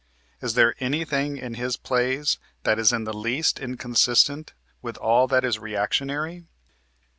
Is there anything in his plays that is in the least inconsistent with all that is reactionary?